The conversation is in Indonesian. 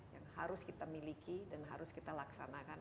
yang harus kita miliki dan harus kita laksanakan